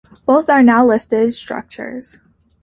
Both are now listed structures.